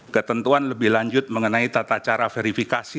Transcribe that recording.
ketentuan lebih lanjut mengenai tata cara verifikasi